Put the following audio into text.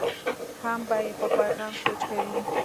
هم به یې په پیغام سوچ کوي.